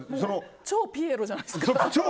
超ピエロじゃないですか。